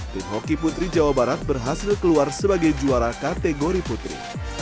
tim hoki putri jawa barat berhasil keluar sebagai juara kategori putri